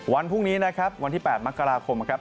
วันพรุ่งนี้นะครับวันที่๘มกราคมนะครับ